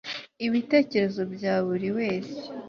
ibitekerezo bya buri wese